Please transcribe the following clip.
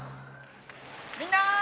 みんな！